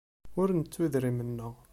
Ur nettu idrimen-nneɣ.